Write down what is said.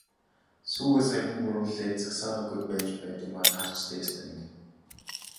Сүүгээ саяхан хөөрүүлээд загсаагаагүй байж байдаг маань таарч дээ, ёстой нэг.